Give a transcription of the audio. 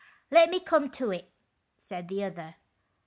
Let me come to it," said the other.